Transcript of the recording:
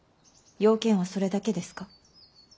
用件はそれだけですか。